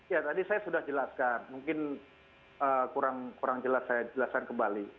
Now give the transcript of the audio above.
ya tadi saya sudah jelaskan mungkin kurang jelas saya jelaskan kembali